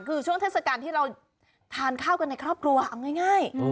คือช่วงเทศกาลที่เราทานข้าวกันในครอบครัวเอาง่าย